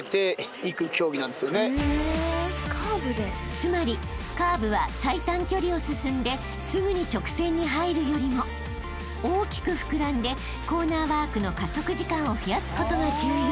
［つまりカーブは最短距離を進んですぐに直線に入るよりも大きく膨らんでコーナーワークの加速時間を増やすことが重要］